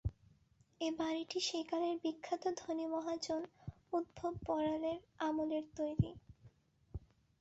এ বাড়িটি সেকালের বিখ্যাত ধনী মহাজন উদ্ধব বড়ালের আমলে তৈরি।